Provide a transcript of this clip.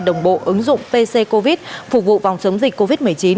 đồng bộ ứng dụng pc covid phục vụ phòng chống dịch covid một mươi chín